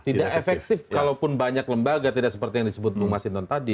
tidak efektif kalau pun banyak lembaga tidak seperti yang disebut mas hinton tadi